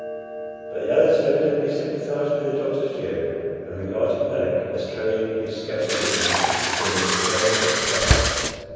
But the others evidently sympathized with the doctor's view, and regarded Melick as carrying his scepticism to an absurd excess.